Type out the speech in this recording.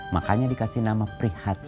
makanya dikasih nama prihatin